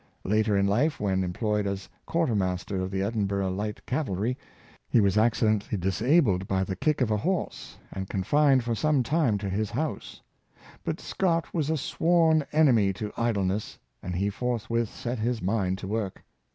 Later in life, when em ployed as quartermaster of the Edinburgh Light Cav alry, he was accidently disabled by the kick of a horse, and confined for some time to his house; but Scott was a sworn enemy to idleness, and he forthwith set his mind to work.